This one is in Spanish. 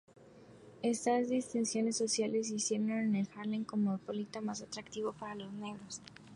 Estas distinciones sociales hicieron el Harlem cosmopolita más atractivo para los negros.